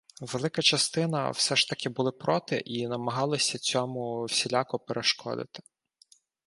Велика частина все ж таки були проти і намагалися цьому всіляко перешкодити.